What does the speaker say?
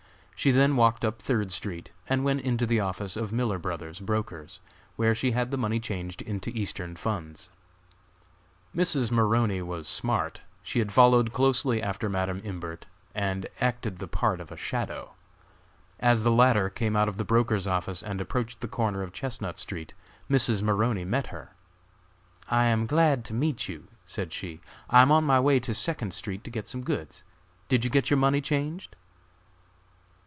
She then walked up Third street and went into the office of Miller Bros., brokers, where she had the money changed into Eastern funds. Mrs. Maroney was smart. She had followed closely after Madam Imbert and acted the part of a "shadow." As the latter came out of the brokers' office and approached the corner of Chestnut street, Mrs. Maroney met her. "I am glad to meet you," said she; "I am on my way to Second street to get some goods. Did you get your money changed?"